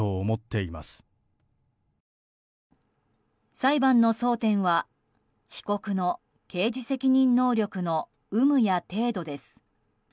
裁判の争点は、被告の刑事責任能力の有無や程度です。